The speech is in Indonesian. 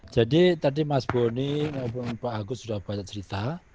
jadi tadi mas boni maupun pak agus sudah banyak cerita